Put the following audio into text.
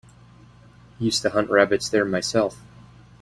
Used to hunt rabbits there myself.